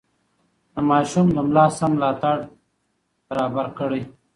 د ماشوم د ملا سم ملاتړ برابر کړئ.